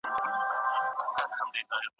زه د عهد او پیمان ساتونکی یم.